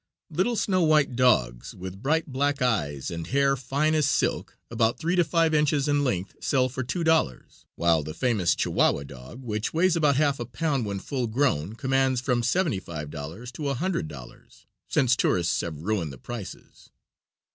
Little snow white dogs, with bright black eyes and hair fine as silk, about three to five inches in length, sell for $2, while the famous Chihuahua dog, which weighs about half a pound when full grown, commands from $75 to $100, since tourists have ruined the prices.